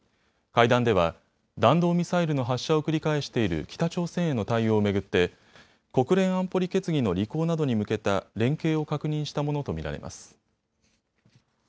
会談では弾道ミサイルの発射を繰り返している北朝鮮への対応を巡って国連安保理決議の履行などに向けた連携を確認したものと見られます。